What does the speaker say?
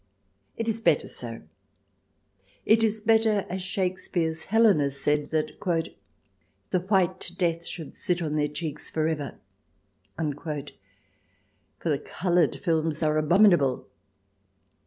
It is better so ; it is better, as Shakespeare's Helena said, that " the white death should sit on their cheeks for ever," for the coloured films are abominable.